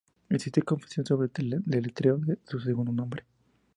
Existe confusión sobre el deletreo de su segundo nombre.